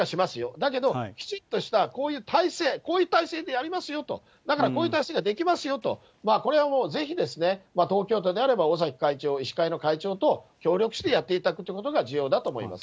だけど、きちっとしたこういう体制、こういう体制でやりますよと、だからこういう体制ができますよと、これはもうぜひですね、東京都であれば、尾崎会長、医師会の会長と、協力してやっていただくということが重要だと思います。